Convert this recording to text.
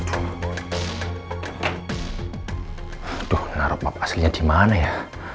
aduh naro pap aslinya dimana ya